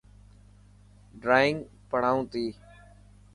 ڊرانگ پڙهائون تي.